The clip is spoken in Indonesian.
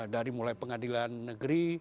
dari mulai pengadilan negeri